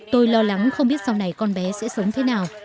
tôi lo lắng không biết sau này con bé sẽ sống thế nào